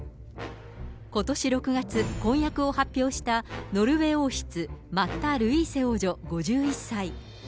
ことし６月、婚約を発表した、ノルウェー王室、マッタ・ルイーセ王女５１歳。